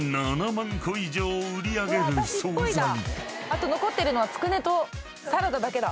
あと残ってるのはつくねとサラダだけだ。